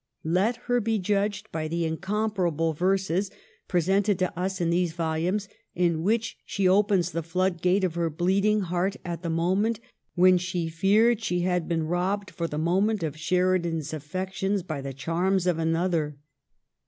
Let her be judged by the incomparable verses (presented to us in these volumes) in which she opens the flood gate of her bleeding heart at a moment when she feared she had been robbed, for the moment, of Sheridan's affections by the charms of another.